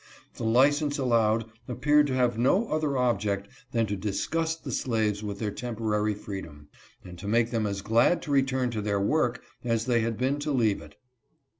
The license allowed appeared to have no other object than to disgust the slaves with their tempo rary freedom, and to make them as glad to return to their work as they had been to leave it.